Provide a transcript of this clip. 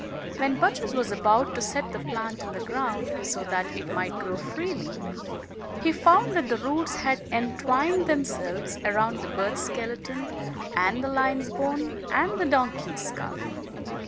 When Bacchus was about to set the plant in the ground so that it might grow freely, he found that the roots had entwined themselves around the bird's skeleton and the lion's bone and the donkey's skull.